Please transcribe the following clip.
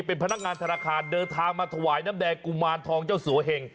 เป็นพนักงานธนาคารเดินทางมาถวายน้ำแดงกุมารทองเจ้าสัวเหง